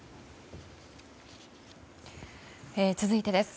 続いてです。